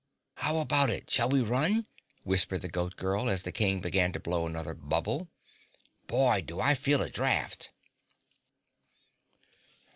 "How about it, shall we run?" whispered the Goat Girl as the King began to blow another bubble. "Boy, do I feel a draft!"